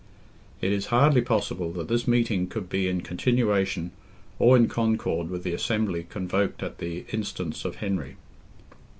It is hardly possible that this meeting could be in continuation or in concord with the assembly convoked at the instance of Henry.